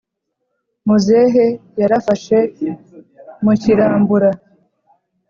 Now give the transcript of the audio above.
muzehe yarafashe mu kukirambura